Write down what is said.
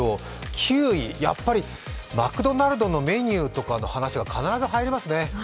９位、やっぱりマクドナルドのメニューの話が入りますね。